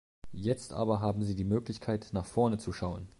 Jetzt aber haben Sie die Möglichkeit, nach vorne zu schauen.